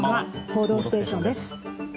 「報道ステーション」です。